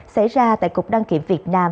xảy ra tại cục đăng kiểm việt nam